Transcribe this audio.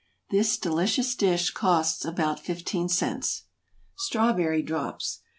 This delicious dish costs about fifteen cents. =Strawberry Drops.